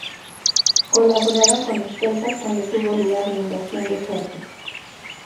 Colaboraron con los persas cuando tuvo lugar la invasión de Jerjes.